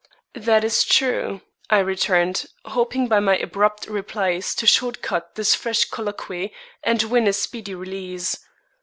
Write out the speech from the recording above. "That is true," I returned, hoping by my abrupt replies to cut short this fresh colloquy and win a speedy release.